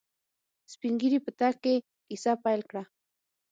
سپينږيري په تګ کې کيسه پيل کړه.